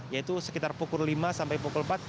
yaitu sekitar pukul lima sampai pukul empat